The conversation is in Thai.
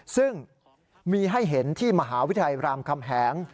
ซึ่งมีให้เห็นที่มหาวิทยาลัยรามคำแหง